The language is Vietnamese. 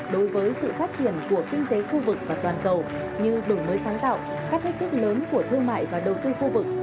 đối với sự phát triển của kinh tế khu vực và toàn cầu như đổi mới sáng tạo các thách thức lớn của thương mại và đầu tư khu vực